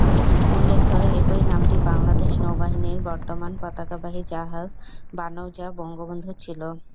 উল্লেখ একই নামটি বাংলাদেশ নৌবাহিনীর বর্তমান পতাকাবাহী জাহাজ বানৌজা বঙ্গবন্ধুর ছিল।